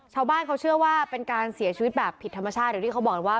ชาวบ้านเขาเชื่อว่าเป็นการเสียชีวิตแบบผิดธรรมชาติหรือที่เขาบอกว่า